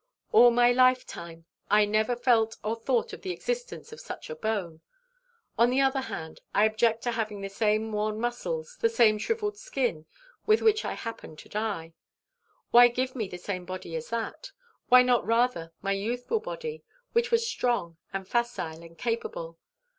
All my life time I never felt or thought of the existence of such a bone! On the other hand, I object to having the same worn muscles, the same shrivelled skin with which I may happen to die. Why give me the same body as that? Why not rather my youthful body, which was strong, and facile, and capable?